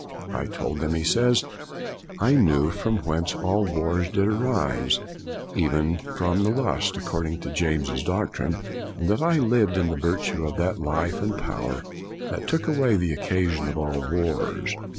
" I told them," he says, " I knew from whence all wars did arise, even from the lust, accord ing to James's doctrine; and that I lived in the virtue of that life and power that took away the occasion of all wars.